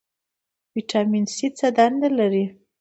ویټامین سي څه دنده لري؟